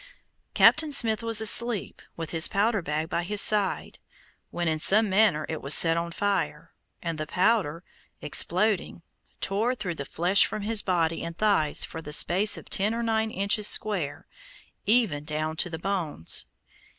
Captain Smith was asleep, with his powder bag by his side, when in some manner it was set on fire, and the powder, exploding, tore the flesh from his body and thighs for the space of nine or ten inches square, even down to the bones.